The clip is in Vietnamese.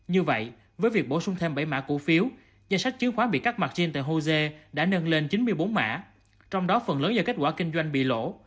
như vậy với việc bổ sung thêm bảy mã cổ phiếu danh sách chứng khoán bị cắt mặt trên tại hosea đã nâng lên chín mươi bốn mã trong đó phần lớn do kết quả kinh doanh bị lỗ